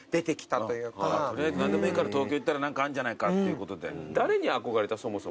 とりあえず何でもいいから東京行ったら何かあるんじゃないかっていうことで。